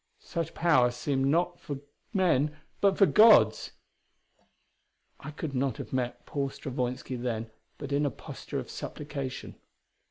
Such power seemed not for men but for gods; I could not have met Paul Stravoinski then but in a posture of supplication.